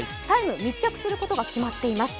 密着することが決まっています。